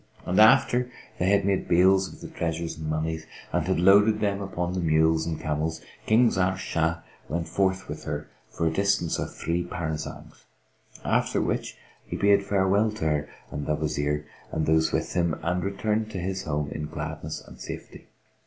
And after they had made bales of the treasures and monies, and had loaded them upon the mules and camels, King Zahr Shah went forth with her for a distance of three parasangs; after which he bade farewell to her and the Wazir and those with him, and returned to his home in gladness and safety.